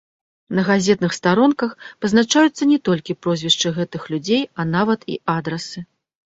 На газетных старонках пазначаюцца не толькі прозвішчы гэтых людзей, а нават і адрасы.